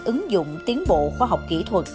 ứng dụng tiến bộ khoa học kỹ thuật